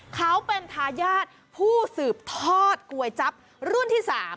เขาเป็นทายาทผู้สืบทอดก๋วยจั๊บรุ่นที่๓